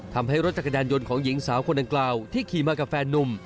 ทำให้รถจักรยานยนต์ของหญิงสาวคนดังกล่าวที่ขี่มากับแฟนนุ่ม